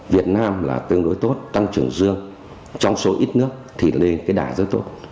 việt nam là tương đối tốt tăng trưởng dương trong số ít nước thì lên cái đà rất tốt